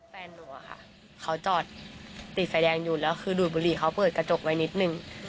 แฟนหนูอะค่ะเขาจอดติดไฟแดงอยู่แล้วคือดูดบุหรี่เขาเปิดกระจกไว้นิดนึง